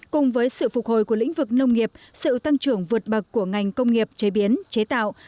cùng với sự phục hồi của lĩnh vực nông nghiệp sự tăng trưởng vượt bậc của ngành công nghiệp chế biến chế tạo